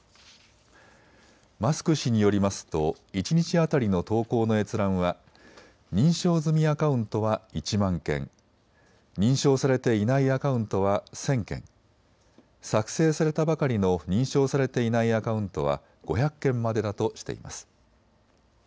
マスク氏によりますと一日当たりの投稿の閲覧は認証済みアカウントは１万件、認証されていないアカウントは１０００件、作成されたばかりの認証されていないアカウントは５００件までだとしています。